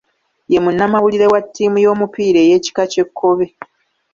Ye munnamawulire wa ttiimu y’omupiira ey’ekika ky’ekkobe.